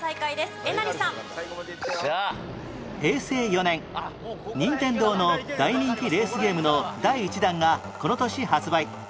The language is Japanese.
平成４年任天堂の大人気レースゲームの第一弾がこの年発売